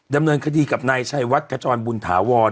ดำเนินคดีกับนายชัยวัดขจรบุญถาวร